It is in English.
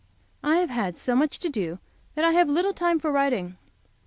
I have so much to do that I have little time for writing.